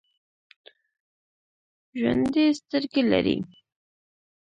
ژوندي سترګې لري